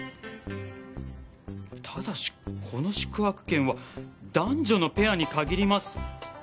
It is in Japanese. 「ただしこの宿泊券は男女のペアに限ります」。